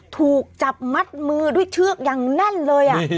ถูกจับมัดมือด้วยเชือกอย่างแน่นเลย